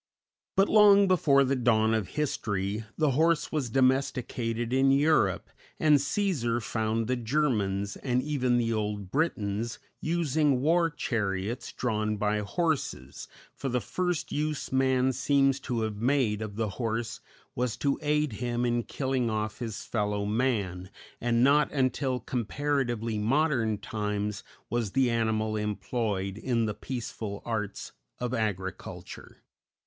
But long before the dawn of history the horse was domesticated in Europe, and Cæsar found the Germans, and even the old Britons, using war chariots drawn by horses for the first use man seems to have made of the horse was to aid him in killing off his fellow man, and not until comparatively modern times was the animal employed in the peaceful arts of agriculture.